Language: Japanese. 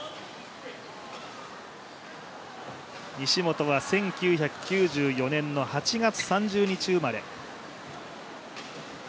西本は１９９４年の８月３０日生まれ。